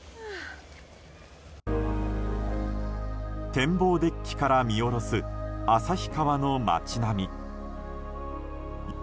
展望デッキから見下ろす旭川の街並み。